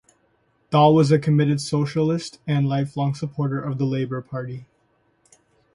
Thaw was a committed socialist and lifelong supporter of the Labour Party.